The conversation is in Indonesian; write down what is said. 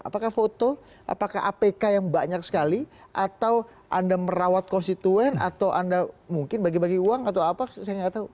apakah foto apakah apk yang banyak sekali atau anda merawat konstituen atau anda mungkin bagi bagi uang atau apa saya nggak tahu